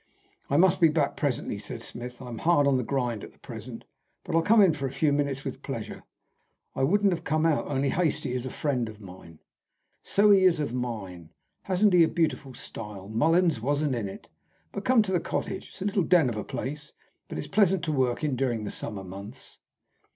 "I must be back presently," said Smith. "I am hard on the grind at present. But I'll come in for a few minutes with pleasure. I wouldn't have come out only Hastie is a friend of mine." "So he is of mine. Hasn't he a beautiful style? Mullins wasn't in it. But come into the cottage. It's a little den of a place, but it is pleasant to work in during the summer months."